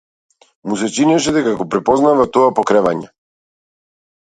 Му се чинеше дека го препознава тоа покревање.